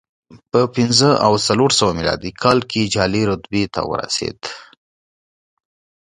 په پنځه او څلور سوه میلادي کال کې جالۍ رتبې ته ورسېد